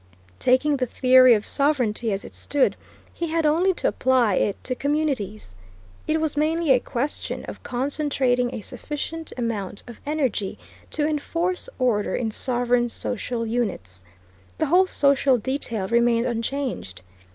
Taking the theory of sovereignty as it stood, he had only to apply it to communities. It was mainly a question of concentrating a sufficient amount of energy to enforce order in sovereign social units. The whole social detail remained unchanged.